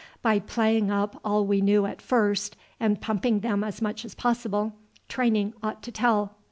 By playing up all we knew at first, and pumping them as much as possible, training ought to tell.